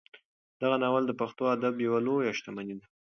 دغه ناول د پښتو ادب یوه لویه شتمني ده.